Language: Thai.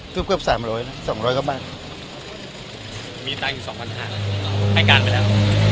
เกือบเกือบสามร้อยแล้วสองร้อยก็บ้างมีตังค์อยู่สองพันหาละไทยการไปแล้ว